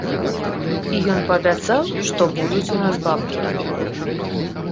І ён паабяцаў, што будуць у нас бабкі.